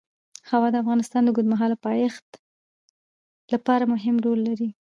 هوا د افغانستان د اوږدمهاله پایښت لپاره مهم رول لري.